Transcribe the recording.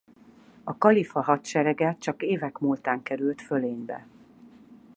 A kalifa hadserege csak évek múltán került fölénybe.